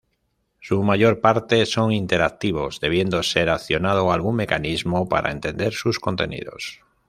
Su mayor parte son interactivos, debiendo ser accionado algún mecanismo para entender sus contenidos.